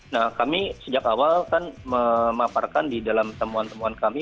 nah kami sejak awal kan memaparkan di dalam temuan temuan kami